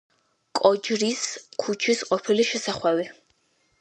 კოჯრის ქუჩის ყოფილი შესახვევი.